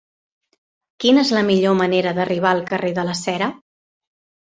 Quina és la millor manera d'arribar al carrer de la Cera?